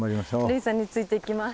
類さんについていきます。